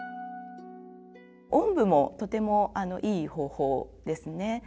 おんぶもとてもいい方法ですね。